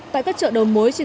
tại các chợ đầu mối